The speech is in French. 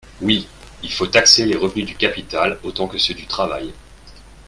Oui, il faut taxer les revenus du capital autant que ceux du travail.